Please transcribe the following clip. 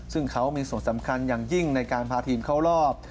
ซึ่งเขามีส่วนสำคัญอย่างยิ่งในการพาทีมเข้ารอบ